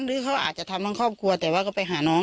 หรือเขาอาจจะทำทั้งครอบครัวแต่ว่าก็ไปหาน้อง